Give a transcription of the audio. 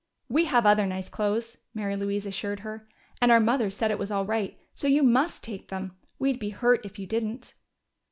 "We have other nice clothes," Mary Louise assured her. "And our mothers said it was all right. So you must take them: we'd be hurt if you didn't."